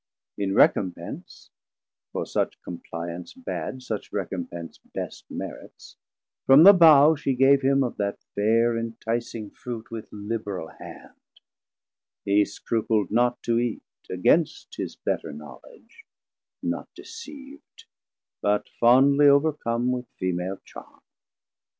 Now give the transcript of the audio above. In recompence (for such compliance bad Such recompence best merits) from the bough She gave him of that fair enticing Fruit With liberal hand: he scrupl'd not to eat Against his better knowledge, not deceav'd, But fondly overcome with Femal charm.